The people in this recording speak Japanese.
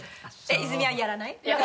泉はやらない？